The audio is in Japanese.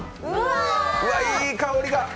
うわー、いい香りが！